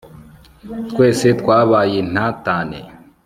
twese twabayintatane